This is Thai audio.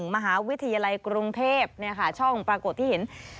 มหาวิทยาลัยกรุงเทพช่องปรากฏที่เห็น